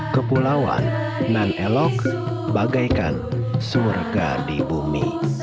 kepulauan nan eloks bagaikan surga di bumi